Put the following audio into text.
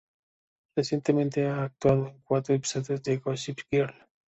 Recientemente ha actuado en cuatro episodios de "Gossip Girl".